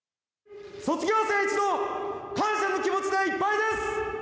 卒業生一同、感謝の気持ちでいっぱいです。